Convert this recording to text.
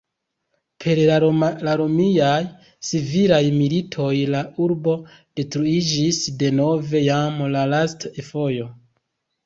Per la Romiaj Civilaj Militoj la urbo detruiĝis denove, jam la lasta fojo.